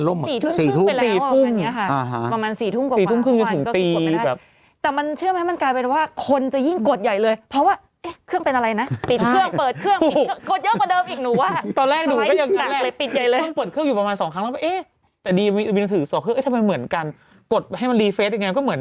รายได้หายวันจะสองแสนล้านบาทถูกต้องค่ะเขาเบิร์กไหมมากัน